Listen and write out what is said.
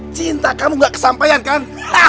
cinta kamu gak kesampaian kan